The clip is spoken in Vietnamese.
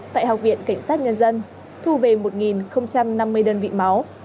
tại học viện cảnh sát nhân dân thu về một năm mươi đơn vị máu